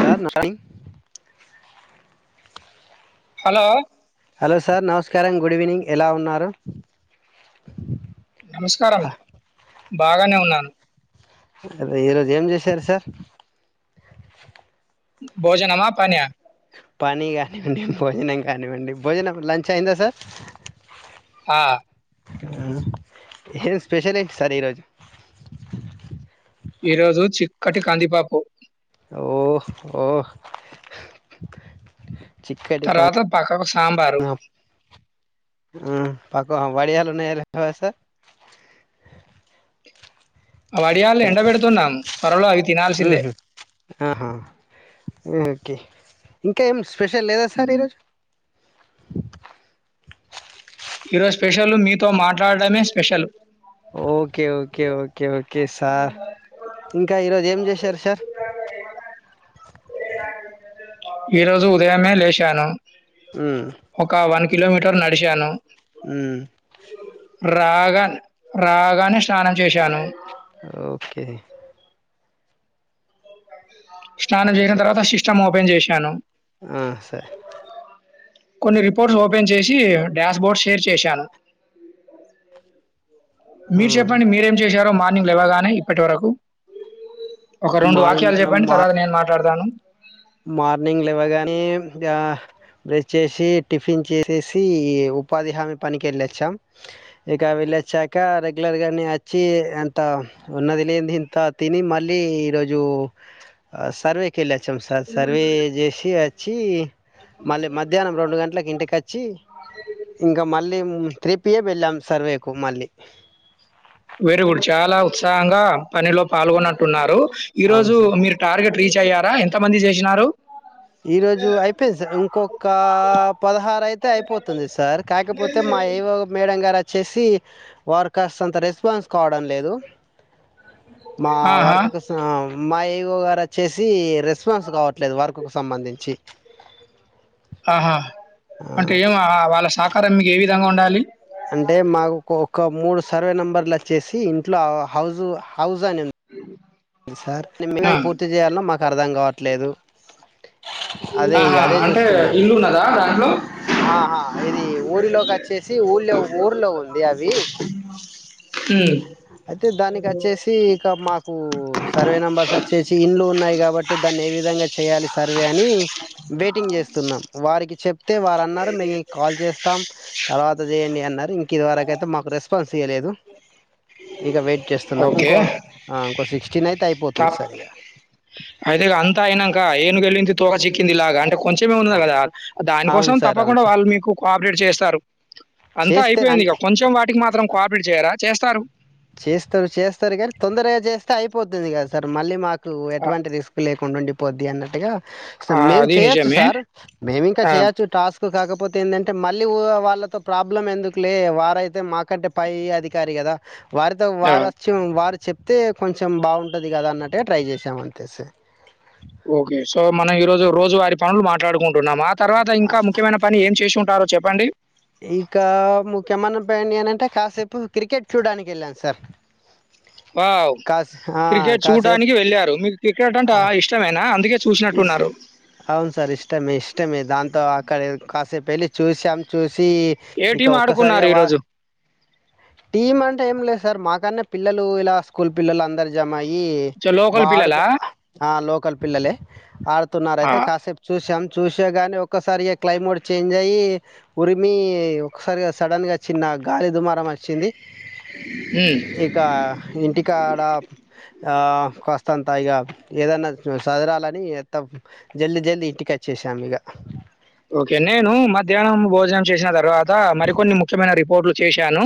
Sir నయి hello hello sir నమస్కారం good evening ఎలా ఉన్నారు నమస్కారం బాగానే ఉన్నాను ఈరోజు ఏం చేసారు సార్ భోజనమా పనియా పని కానివ్వండి భోజనం కానివ్వండి భోజనం లంచ్ అయిందా సార్ ఆ ఏం స్పెషల్ ఎంటి సార్ ఈరోజు ఈరోజు చికటి కందిపాపు ఓహ ఓహ చక్కట్టి ప తర్వాత పక్కకు సాంబారు పాకు వడియాలు ఉన్నాయా లేవా సార్ వడియాలు ఎండ పెడుతున్నాం త్వరలో అవి తినాల్సిందే ఆహా ఓకే ఇంకా ఏంస్ స్పెషల్ లేదా సార్ ఉమ్. ఈరోజు ఈరోజు స్పెషల్ మీతో మాట్లాడమే special okay okay okay okay okay sir ఇంకా ఈరోజు ఏం చేసి సర సార్ ఈ రోజు ఉదయమే లేచాను ఒకకావనికి కిలోమీటర్ నడిచాను రాగా రాగాన్ని స్నానం చేశాను ఓకే స్నానం చేసిన తర్వాత సిస్టమ్ ఓపెన్ చేశాను ఆ సే కొన్ని రిపోర్ట్స్ ఓపెన్ చేసి డాష్ బోర్డ్ షేర్ చేశాను మీరు చెప్పండి మీరేం చేశారో మా లేవగానే ఇప్పటి వరకు ఒక రెండు మా వాక్యాలు చెప్పండి మా తర్వాత నేను మాట్లాడతాను మార్నింగ్ లేవగానే ఆ బ్రష్ చేసి టిఫిన్ చేసేసి ఉపాధి హామీ పనికి వెళ్ళొచ్చాం ఇక వెళ్ళొచ్చాక రెగ్యులర్గానే అచ్చి అంత ఉన్నది లేనిది ఇంత తిని మళ్ళీ ఈరోజు సర్వేకెళ్ళచ్చాం సర్వే జేసి వచ్చి మళ్ళీ మధ్యాహ్నం రెండు గంటలకు ఇంటికి కచ్చి ఇంకా మళ్ మేం త్రీ పియే వెళ్ళాం సర్వేకు మళ్ళీ వెరీ గుడ్ చాలా ఉత్సాహంగా పనిలో పాల్గొనట్టున్నారు ఈ అవును రోజు సార్ మీరు టార్గెట్ రీచ్ అయ్యారా ఎంత మంది చేసినారు ఈ రోజు అయిపోయింది సా ఇంకొక పదహారు అయితే అయిపోతుంది సార్. కాకపోతే మా ఏవో మేడ గారు త్ చేసి వారు కాసంత రెస్పాన్స్ కావడం లేదు మా ఆహా వర్క్ కు స మా ఏ గోగారు వచ్చేసి రెస్పాన్స్ కావట్లేదు వర్క్ కు సంబంధించి ఆహా ఆ, అంటే ఏం ఆ వాళ్ళ సహకారం మీకు ఏవి విధంగా ఉండాలి అంటే మాకు ఒక మూడు సర్వే నెంబర్లు వచ్చేసి ఇంట్లో హౌజు హౌజ్ అని మ్మ్ [inaudible] పూర్తి చేయాలో మాకు అర్ధం కావట్లేదు అదే ఇగ ఆహా అదే అంటే చూస్తున్నాం. ఇల్లు ఉన్నదా దాంట్లో ఆహా ఇది ఊరిలో కచ్చేసి ఊర్లో ఊర్లో ఉంది అవి. ఉమ్. అయితే దానికచ్చేసి ఇక మాక్ మాకు సర్వే నెంబర్స్ వచ్చేసి ఇండ్లు ఉన్నాయి, కాబట్టి దాన్ని ఏ విధంగా చేయాలి సర్వే అని వెయిటింగ్ చేస్తున్నాం, వారికి చెప్తే వారు అన్నారు, మేము కాల్ చేస్తాం తర్వాత చేయండి అన్నారు. ఇంక ఇదివరక అయితే మాకు రెస్పాన్స్ ఇయలేదు. ఇక వెేట్ ఏస్తున్నాం ఓకే ఇంకో ఆ ఇంకో సీక్ అయితే ఇగ అంతా అయినాంక ఏనుగెళ్లింత్ తోక చిక్కింది ఇలాగ అంటే కొంచెమే ఉన్నది కదా అవును దానికోసం సార్ అవును తప్పకుండా సార్ వాళ్ళు మీకు కోఆపరేట్ చేస్తారు, అంతా చేస్తే అయిపోయింది అంటే ఇక కొంచెం వాటికి మాత్రం కోఆపరేట్ చేయరా. చేస్తారు చేస్తారు, చేస్తారు కాని తొందరగా చేస్తే అయిపోతది కదా సార్ మళ్ళీ మాక్. కు ఎటువంటి రిస్క్ లేకుండా ఉండి పొద్ది అన్నట్టుగా స ఆ! మేం అది చేయొచ్చు నిజమే. సార్ మేం ఇంకా ఆ! చేయొచ్చు టాస్క్ కాకపోతే ఎందన్ అంటే మళ్ళీ వో వాళ్ళతో ప్రాబ్లం ఎందుకు లే వారైతే మాకంటే పై అధికారి కదా. వారితో ఆ! వారచ్చం వారి. చెప్తే కొంచెం బాగుంటది గదా అన్నట్టుగా ట్రై చేశాం అంతే. ఓకే సో మనం ఈ రోజు రోజు వారి పనులు మాట్లాడుకు. డున్నామా ఆ తర్వాత ఆ, ఇంకా ముఖ్యమైన పని ఏం చేసి ఉంటారో చెప్. ప్పండి. ఇక ముఖ్యమైన పనినంటే కాసేపు క్రికెట్ చూడడానికి వెళ్ళాను సార్ వావ్ కాసే ఆ, క్రికెట్ చూడటానికి వెళ్ళారు మీరు క్రికెట్ అంటే ఇష్టమేనా అందుకే ఇస్ అవును సార్ ఇష్టమే ఇష్టమే దాంతో ఇక్కడ కాసేపు వెళ్ళి చూసాం చూసి చి ఏ ఇక టీమ్ ఆడుకున్నారు ఒక్కసారిగా వా ఈరోజు? టీమ్ అంటే ఏం లేదు సార్ మాకన్న పిల్లలు ఇలా స్కూల్ పిల్లలు అందరు జమయి ఈ చ లోకల్ వాడుత పిల్లలా? ఆ లోకల్ పిల్లలే ఆడుతున్నారు ఆ! అయితే కాసేపు చూసి శమ్ చూసా గానీ ఒక్కసారిగా క్లైమేట్ చేంజ్ అయ్యి ఉరిమీ ఒకసారిగా సడన్గా చిన్న గాలి దుమారం వచ్చింది హ్మ్. ఇక ఇంటికాడా ఆ కాస్తంతా ఇగా ఏదైనా సదరాలని చేద్దాం అ జల్ది జల్దీ ఇంటికి వచ్చేసాం ఇక ఓకే నేను మధ్యాహ్నం భోజనం చేసిన తర్వాత మరికొన్ని ముఖ్యమైన రిపోర్ట్లు చేశాను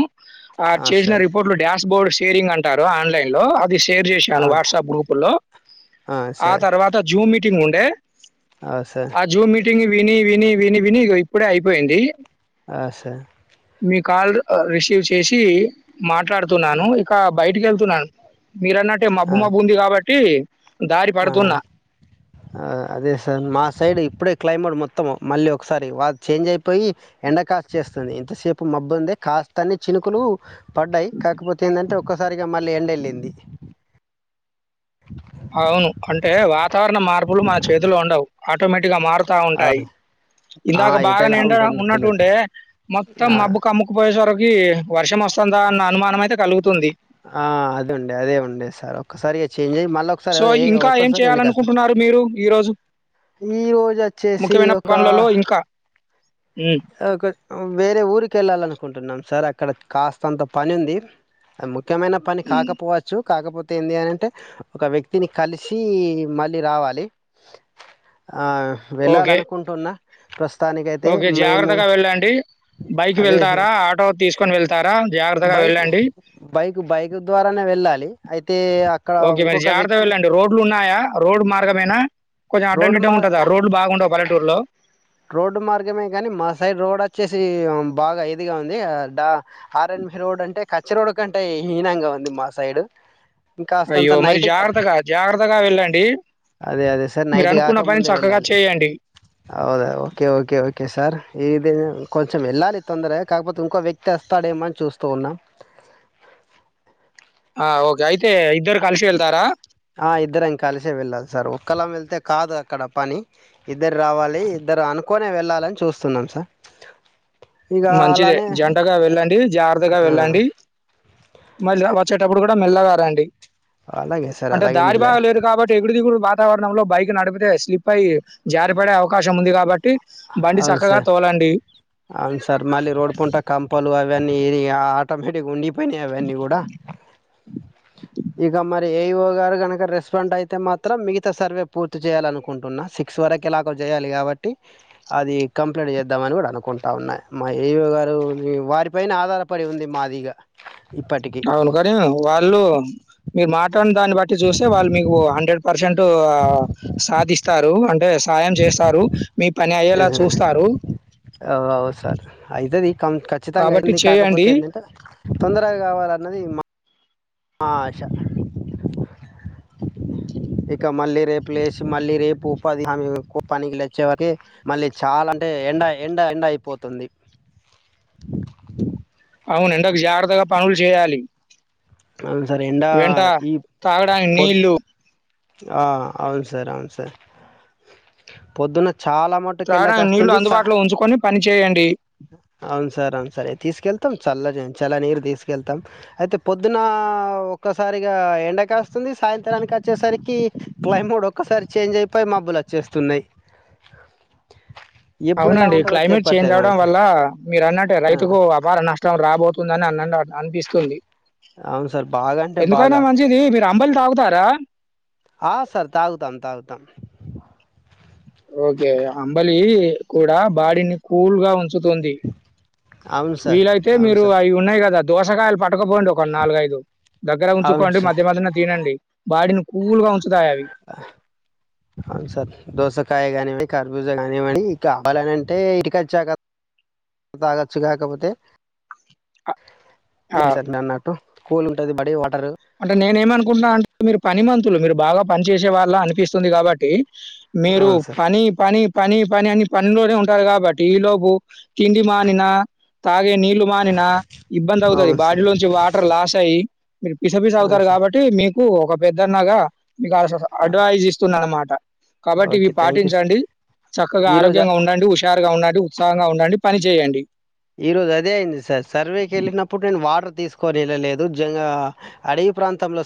ఆ చేసిన రిపోర్ట్లు డాష్ బోర్డ్ కేరింగ్ అంటారు ఆన్లైన్ లో షేర్ చేశాను అవును వాట్సాప్ గ్రూప్ లో ఆ తర్వాత జూమ్ మీటింగ్ ఉండే ఆ సార్ సింగిల్ విని విని విని విని ఇగో ఇప్పుడే అయిపోయింది. ఆ సార్ మీ కాల్ రిసీవ్ చేశి మాట్లాడుతున్నాను ఇక బయటికి వెళ్ తున్నాను మీరన్నట్టే మబ్బు ఆ మబ్బు ఉంది కాబ ట్టి ఆ అదే సార్ మా సైడ్ ఇప్పుడే క్లైమేట్ మొ త్తం మళ్ళీ ఒకసారి వా చేంజ్ అయిపోయి ఎండ కా చేస్తుంది ఇంతసేపు మబ్బు ఉండే కాస్త అన్ని చినుకులు పడ్డాయి, కాకపోతే ఏందంటే ఒక్కసారిగా మళ్ళీ ఎండ ఎళ్ళింది. అవును అంటే వాతావరణ మార్పులు మన చేతిలో ఉండవు ఆటోమే టిక్ గా మారుతా ఉంటాయి, ఆ ఇందాక ఇప్పుడు బాగనే ఎలా ఎండ ఉంటుందో తెలియదు ఉన్నట్టుండే మొత్తం ఆ మబ్బు కమ్ముకుపోయేసరి ఈ వర్షం వస్తుందా అన్న అనుమానం అయితే కలుగుతుంది. ఆ అదే ఉండే అదే ఉండే సార్ ఒక్కసారిగా చేంజ్ అయి మళ్ళ ఒకసారి సో, ఏ ఇంకా ఒకరు ఏం సార్, రెండు కాదు సార్ చేయాలనుకుంటున్నారు మీరు ఈరోజు ఈరోజు వచ్చేసి ముఖ్యమైన ఒక పనులలో ఇంకా? హ్మ్. ఆ ఒక వేరే ఊరికి వెళ్ళాలను అనుకుంటున్నాను సార్ అక్కడ కాస్త అంత పని ఉంది. అద్ ము ముఖ్యమైన పని హ్మ్. కాకపోవచ్చు కాకపోతే ఏంది అని అంటే ఒక వ్యక్తిని కలిసి మళ్ళీ రావాలి. ఆ ఓకే. వెళ్ళాలనుకుంటున్నా. ప్రస్ తానికైతే ఓకే జాగ్రత్తగా వెళ్ళండి బైక్ వెళ్తారా, ఆటో తీసుకొని వెళ్తారా జాగ్రత్తగా బైక్ వెళ్ళండి. ఐ ఓకే మరి జాగ్రత్తగా వెళ్ళండి. రోడ్లు ఉన్నాయా రోడ్డు మార్గమెనా కొంచెం అడ్డం రోడ్డు దిడ్డం మార్ ఉంటదా రోడ్లు బాగుండవు పల్లెటూరులో రోడ్డు మార్గమే కాని మా సైడ్ రోడ్ వచ్చేసి బాగా ఇదిగా ఉంది. దా ఆర్ ఎన్ బి రోడ్ అంటే కచ్చ రోడ్ కంటే హీనంగా ఉంది మా సైడు ఇంకాస్తంత అయ్యో మరి నైట్ జాగ్రత్తగా, జాగ్రత్తగా వెళ్ళండి అదే అదే సార్ మీరు నైట్ అనుకున్న పని కాకముందే చక్కగా వెళ్ళాలి చేయండి. అవుదా ఓకే ఓకే ఓకే సార్ ఇది కొంచెం వెళ్ళాలి. తొందరె కాకపోతే ఇంకో వ్యక్తి వస్తాడేమో అని చూస్తూఉన్నా. ఆ ఓకే అయితే ఇద్దరు కలిసి వెళ్తారా. ఆ ఇద్దరం కలిసే వెళ్ళాలి సార్, ఒక్కళం వెళ్తే కాదు అక్కడ పని ఇద్దరు రావాలి, ఇద్దరు అనుకునే వెళ్ళాలని చూస్తున్నాం సార్. ఇక మంచిదే అలానే జంటగా వెళ్ళండి. జాగ్రత్తగా ఆ వెళ్ళండి మళ్ళ వచ్చక్ టప్పుడు కూడా మెల్లగా రండి అలాగే సార్ అంటే అలాగే దారి మెల్లె బాగా లేదు కాబట్టి ఎగుడు దిగుడు బాగ్ వాతావరణంలో బైక్ నడిపితే స్లిప్ అయ్యి జారిపడే అవకాశం ఉంది కాబట్టి బండి చక్కగా తోలండి. టార్ మళ్ళీ రోడ్ పొంట కంపలు అవ్ దాన్ని ఏరియా ఆటోమేటిక్ ఉండి పోయినై అవన్ని కూడా ఇక మరి ఏ ఈ ఓ గారు గనక రెస్పాండ్ అయితే మాత్రం మిగతా సర్వే పూర్తి చేయాలి. అనుకుంటున్నా సిక్స్ వరకు ఎలాగో చేయాలి కాబట్టి అది కంప్లేట్ చేద్దామని కూడా అనుకుంటా ఉన్న మా ఏ ఈ ఓ గారు వారిపైనే ఆధారపడి ఉంది మాది ఇగ ఇప్పటికీ అవును కనీ వాళ్ళు మీ మాట్ దాన్ని బట్టి చూసే వాళ్ళు మీకు హండ్రెడ్ పర్సెంట్ ట్ సాదిస్త్ స్తారు అంటేస్ సాయం చేశారు మీ పని అయ్యేలా చూస్తారు. అవు సార్ అయితది ఖచ్చితంగా కాబట్టి అయింది కాకపోతే చేయండి. ఏంటంటే తొందరగా కావాలన్న అది మా ఆశ ఇక మళ్ళీ రేపు లేచి మళ్ళీ రేపు ఉపాధి హామీ పనికి వెళ్ళి వచ్చే వరకి మళ్ళీ చాలా అంటే ఎండ ఎండ ఎండ అయిపోతుంది అవును ఎండకు జాగ్రత్తగా పనులు చేయ్యాలి అవును సార్ ఎండా ఈ తాగడానికి పొద్ నీళ్లు ఆ అవును సార్ అవును సార్ పొద్దునా చాలా మటుక్ కిందకు త్రాగడానికి నీళ్లు వస్తుంది సార్ అందుబాటులో ఉంచుకొని పని చేయండి. అవున్ సార్ అవున్ సార్ తీసుకెళ్తాం చాలా చల్లజ. చాలా నీరు తీసుకెళ్తాం అయితే పొద్దున ఒక్కసారిగా ఎండ కాస్త్ స్తుంది సాయంత్రానికి వచ్చేసరిక్ కి క్లైమ్ ఒక్కసారి చేంజ్ అయిపోయి మబ్బులు అచ్చేస్తున్నాయి. అవునండి క్లైమేట్ చేంజ్ అవడం వల్ల మీరు అన్నట్టే ఆ, రైతుకు అపార నష్ట్. ట రాబోత్ తుంది అని అన్నండి అనిపిస్తుంది అవును సార్ బాగా అంటే ఎందుకైనా బాగా మంచిది మీరు అంబలి తాగుతారా ఆ సార్ తాగుతాం తాగుతాం ఓకే అంబలి కూడా బాడీని కూల్గా ఉన్. చుతుంది అవును సార్ వీలైతే అవును మీరు సార్ అవి ఉన్నాయి కదా దోసకాయలు పట్ పట్టుకుపోండి ఒక నాలుగైదు దగ్గర అవును ఉంచుకోండి సార్ మధ్య మధ్యన తినండి బాడిను స్కూల్ కౌంచతాయావి కాయ కానివని కర్బూజ కానివని కావాలనింటే ఇటుక తాక తాగచ్చు కాకపోతే అ ఆ! ఇది సార్ నన్న అటు కూల్ ఉంటుంది బడీ వా అంటే నేను ఏమనుకుంటన్నా అంటే మీరు పని మ మీరు బాగా పని చేేసే వాళ్ళ అనిపిస్తుంది కాబట్టి మీరు అవును సార్ పని పని పని పని అని పనిలోనే ఉంటారు కాబట్టి ఈ లోపు తిండి మానిన. తాగే నీళ్లు మానినా ఇబ్బంది అవుతుంది అవును సార్ బాడీలోంచి వాటర్ లాస్ అయ్యి మీరు. విసఫీస్ అవును అవుతారు కాబట్టి మీ మీకు ఒక పెద్దన్నగా మీకు అస సార్ అడ్వైస్ ఇస్తున్నా అన్నమాట కాబట్టి ఇవి ఓకే థ్యాంక్ యూ సార్ పాటించండి చక్కగా ఈ రోజు ఆరోగ్యంగా ఉండండి హుషారు. గా ఉండండి ఉత్సాహంగా ఉండండి పని చేయండి ఇరోజ అదే అయింది సార్ సర్వ కి వెళ్లినాపుడు నేను వాటర్ తా తీసుకొని వెళ్ళా లేదు నిజంగా అడవి ప్రాంతంలో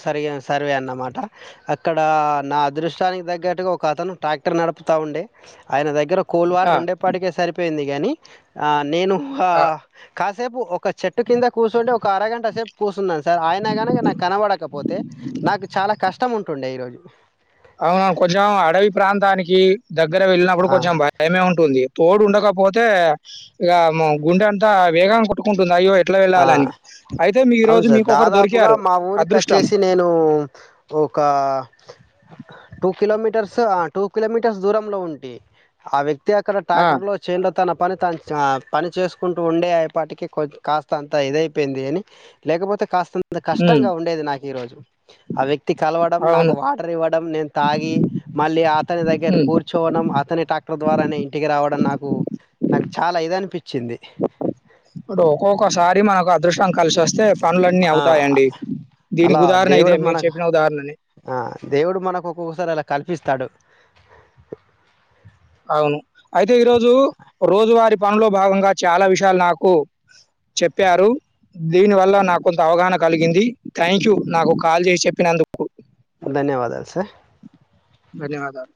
సర్వే అన్నమాట అక్కడ నా అదృష్టా తగ్గట్టుగా ఒక అతను ట్రాక్టర్ నడుపుతా ఉండే ఆయన దగ్గర కూల్ ఆ! వాటర్ ఉండేప్పటికి సరిపోయింది కాని ఆ నేను హా ఆ! కస్ సేపు ఒక చెట్టు కింద కూర్చోండి ఒక అరగంట సేపు కూర్చున్నాను సార్ అయన కానుక నాకు కనబడకపోతే నాకు చాలా కష్టం ఉంటుండే ఈరోజు అవును కొంచం అడవి ప్రాంతానికి దగ్గర వెళ్ళినప్పుడు ఆ, కొంచెం భయమే ఉ ఉంటుంది తోడు ఉండకపోతే ఇగ గుండె అంతా వేగంగా కొట్టుకుంట హా అవును ఈరోజు సార్ మీకొకరు దాదాపుగా దొరికారు. మా ఊరికి అదృష్టం. వచ్చేసి నేను ఒక టూ కిలోమీటర్స్ ఆ టూ కిలోమీటర్స్ దూరంలో ఉంటే ఆ వ్యక్తి ప్రత్యక ఆ! ట్రాక్టర్ లో చేన్ తన పని త పని చేసుకుంటూ ఉండే అప్పటికి కొ కాస్త అంత ఇదయిపోయింది అని లేకపోతే కాస్త అంత హ్మ్. కష్టంగా ఉండేది నాకు ఈరోజు ఆ వ్యక్తి కలవడం నాకు అవును. వాటర్ ఇవ్వడం నేను తాగి మళ్ళీ అతని దగ్గర హ్మ్. కూర్చోవడం అతని ట్రాక్టర్ ద్వారా నేను ఇంటికి రావడం నాకు నాకు చాలా ఇది అనిపించి ఒక సారి మనకు అదృష్టం కలిశివస్తే ఆ అలా ఉదాహరణ ఇదే దేవుడు మీరు మనకు చెప్పిన ఉదాహరణనే. ఆ దేవుడు మనకు ఒక్కొక్కసారి అలా కలిపి ఇస్తాడు. అవును. పనులో భాగంగా చాలా విషయాలు నాకు చెప్పారు, దీని వల్ల నాకు కొంత అవగాహన కలిగింది థ్యాంక్ యూ నాకు కాల్ చేసి చెప్పినందుకు. ధన్యవాదాలు సార్. ధన్యవాదాలు